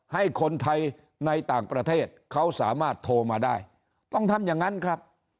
ให้คนไทยในต่างประเทศเขาสามารถโทรมาได้ต้องทำอย่างนั้นครับ